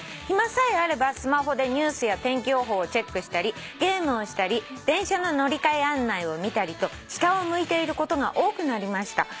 「暇さえあればスマホでニュースや天気予報をチェックしたりゲームをしたり電車の乗り換え案内を見たりと下を向いていることが多くなりました」